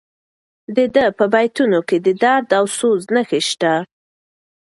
د ده په بیتونو کې د درد او سوز نښې شته.